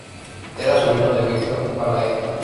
Era sobrino de Víctor Balaguer.